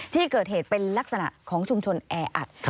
ที่เกิดเหตุเป็นลักษณะของชุมชนแออัด